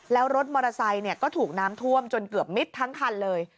แล้วรถมอเตอร์ไซค์ก็ถูกน้ำท่วมจนเกือบมิดทั้งคันเลย